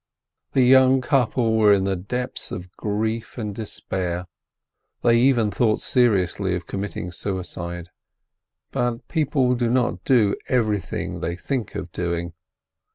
The young couple were in the depths of grief and despair — they even thought seriously of committing suicide. But people do not do everything they think of doing.